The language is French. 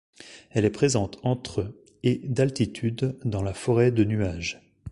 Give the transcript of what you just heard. Elle est présente entre et d'altitude dans la forêt de nuage.